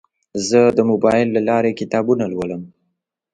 زه د موبایل له لارې کتابونه لولم.